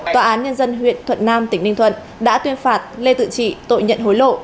tòa án nhân dân huyện thuận nam tỉnh ninh thuận đã tuyên phạt lê tự trị tội nhận hối lộ